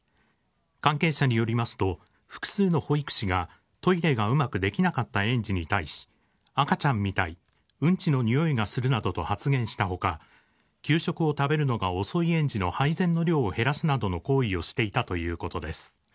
関係者によりますと、複数の保育士がトイレがうまくできなかった園児に対し、赤ちゃんみたい、うんちの臭いがするなどと発言したほか、給食を食べるのが遅い園児の配膳の量を減らすなどの行為をしていたということです。